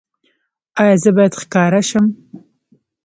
ایا زه باید ښکاره شم؟